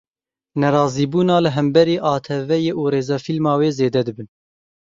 Nerazîbûna li hemberî Atvyê û rêzefîlma wê zêde dibin.